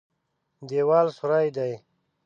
دېوال سوری دی.